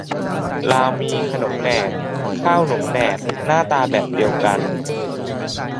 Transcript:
ลาวมี ขนมแหนบ ข้าวหนมแหนบ หน้าตาแบบเดียวกัน